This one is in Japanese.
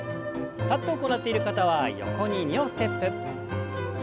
立って行っている方は横に２歩ステップ。